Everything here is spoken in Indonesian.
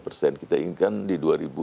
persen kita inginkan di dua ribu dua puluh